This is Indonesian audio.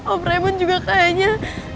om raymond juga kayaknya